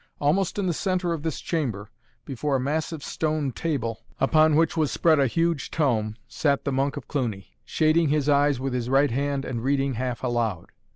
Almost in the centre of this chamber, before a massive stone table, upon which was spread a huge tome, sat the Monk of Cluny, shading his eyes with his right hand and reading half aloud.